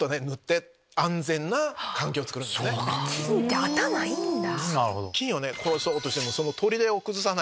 菌って頭いいんだ。